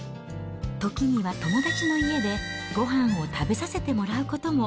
時には友達の家でごはんを食べさせてもらうことも。